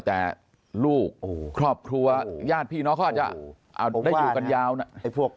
แต่ลูกครอบครัวญาติพี่น้องเขาอาจจะได้อยู่กันยาวนะพวก